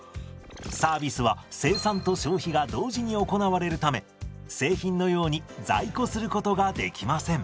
サービスは生産と消費が同時に行われるため製品のように在庫することができません。